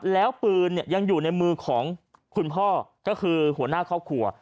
แล้วปืนยังอยู่ในมือของคุณพ่อก็คือหัวหน้าครอบครัว